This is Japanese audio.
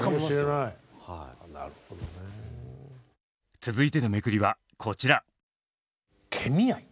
続いてのめくりはこちら。